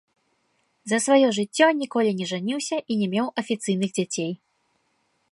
За сваё жыццё ніколі не жаніўся і не меў афіцыйных дзяцей.